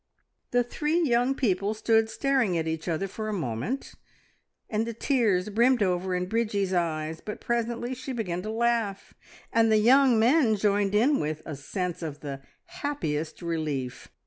The three young people stood staring at each other for a moment, and the tears brimmed over in Bridgie's eyes, but presently she began to laugh, and the young men joined in with a sense of the happiest relief.